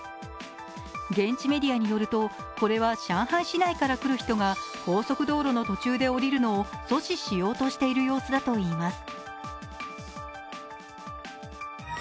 現地メディアによると、これは上海市内から来る人が高速道路の途中で下りるのを阻止しようとしている様子だといいます。